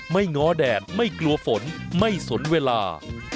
ง้อแดดไม่กลัวฝนไม่สนเวลา